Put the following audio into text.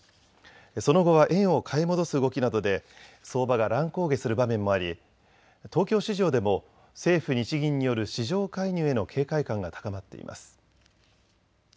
その後は円を買い戻す動きなどで相場が乱高下する場面もあり東京市場でも政府・日銀による市場介入への警戒感が高まっています。